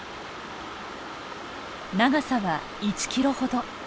長さは１キロほど。